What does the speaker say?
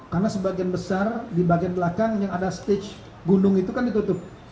karena sebagian besar di bagian belakang yang ada stage gunung itu kan ditutup